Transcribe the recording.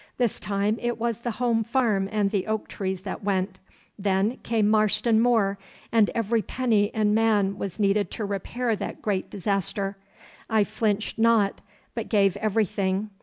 This time it was the home farm and the oak trees that went. Then came Marston Moor, and every penny and man was needed to repair that great disaster. I flinched not, but gave everything.